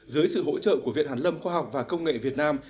dưới sự hỗ trợ của viện hàn lâm khoa học và công nghệ việt nam